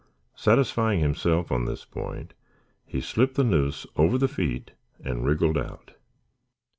Satisfying himself on this point he slipped the noose over the feet and wriggled out.